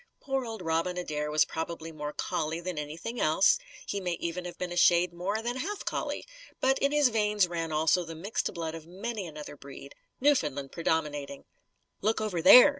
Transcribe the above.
Poor old Robin Adair was probably more collie than anything else; he may even have been a shade more than half collie. But in his veins ran also the mixed blood of many another breed, Newfoundland predominating. "Look over there!"